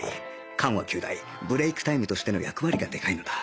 閑話休題ブレークタイムとしての役割がでかいのだ